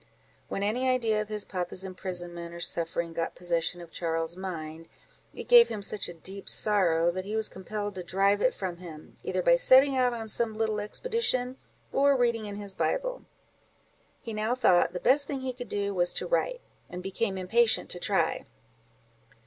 When any idea of his papa's imprisonment or suffering, got possession of Charles's mind, it gave him such deep sorrow, that he was compelled to drive it from him, either by setting out on some little expedition, or reading in his Bible. He now thought, the best thing he could do was to write, and became impatient to try.